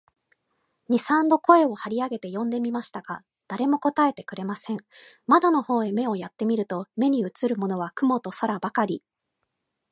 二三度声を張り上げて呼んでみましたが、誰も答えてくれません。窓の方へ目をやって見ると、目にうつるものは雲と空ばかり、